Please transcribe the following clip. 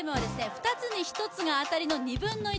２つに１つが当たりの２分の１